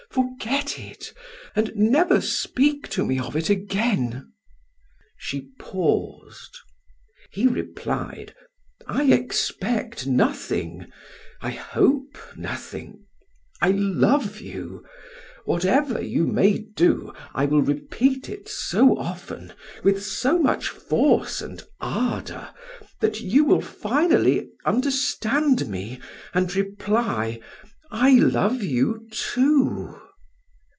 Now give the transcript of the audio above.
Forget it, and never speak to me of it again." She paused. He replied: "I expect nothing I hope nothing I love you whatever you may do, I will repeat it so often, with so much force and ardor that you will finally understand me, and reply: 'I love you too.'"